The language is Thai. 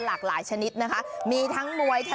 อันนี้คืออะไรอันนี้คือมวยทะเลถูกต้องแล้วนะครับ